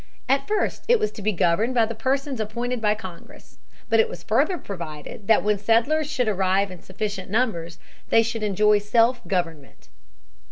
At first it was to be governed by the persons appointed by Congress. But it was further provided that when settlers should arrive in sufficient numbers they should enjoy self government.